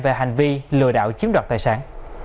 về hành vi lừa đạo chiếm đoạt tài sản